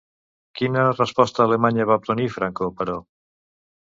Quina resposta alemanya va obtenir Franco, però?